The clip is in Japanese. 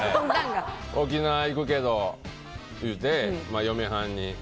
沖縄行くけど言うて、嫁はんに。